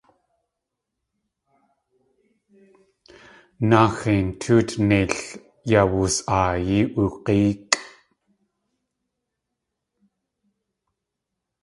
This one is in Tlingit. Naaxein tóot neil yawus.aayí oog̲éekʼ.